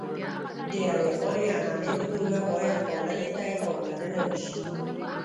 د یوې غوره عنعنې په توګه باید پالنې ته یې پاملرنه وشي.